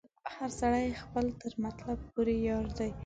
هر سړی خپل تر مطلب پوري یار دی